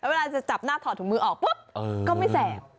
เวลาจะจับหน้าถอดถุงมือออกปุ๊บก็ไม่แสบ